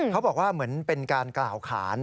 เขาบอกว่าเหมือนเป็นการกล่าวขาน